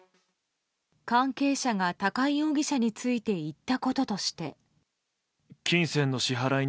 関係者が高井容疑者について言ったこととして。